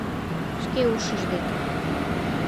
Шке ушыж дене.